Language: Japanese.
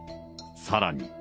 さらに。